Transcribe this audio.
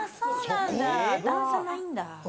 段差ないんだ。